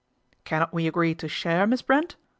" Cannot we agree to share Miss Brent